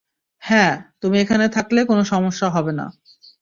হ্যাঁ, তুমি এখানে থাকলে কোনো সমস্যা হবে না।